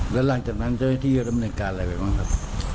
แล้วหลังจากนั้นเจ้าหน้าที่ดำเนินการอะไรไปบ้างครับ